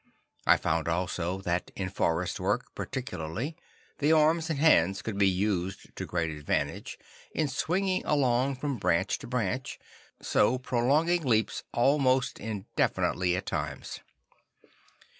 I found, also, that in forest work particularly the arms and hands could be used to great advantage in swinging along from branch to branch, so prolonging leaps almost indefinitely at times.